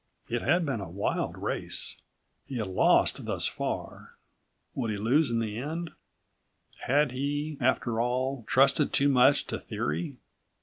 It had been a wild race. He had lost thus136 far; would he lose in the end? Had he, after all, trusted too much to theory?